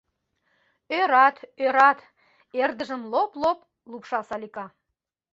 — Ӧрат, ӧрат, — эрдыжым лоп-лоп лупша Салика.